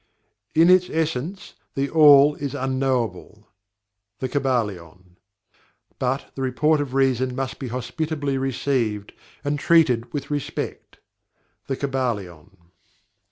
"In its Essence, THE ALL is UNKNOWABLE." The Kybalion. "But, the report of Reason must be hospitably received, and treated with respect." The Kybalion.